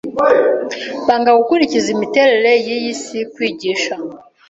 Banga gukurikiza imiterere yiyi si Kwigisha